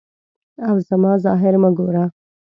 او زما ظاهر مه ګوره.